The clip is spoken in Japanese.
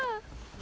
あ！